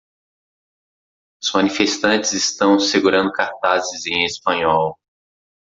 Os manifestantes estão segurando cartazes em espanhol.